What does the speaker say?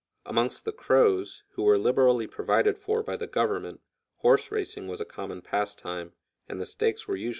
Amongst the Crows, who were liberally provided for by the Government, horse racing was a common pastime, and the stakes were usually dressed buffalo robes.